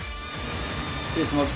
失礼します。